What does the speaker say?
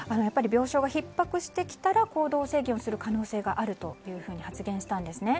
病床がひっ迫してきたら行動制限をする可能性があると発言したんですね。